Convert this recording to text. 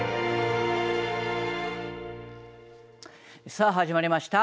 さあ、始まりました。